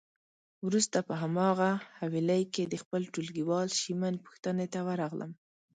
وروسته په هماغه حویلی کې د خپل ټولګیوال شېمن پوښتنه ته ورغلم.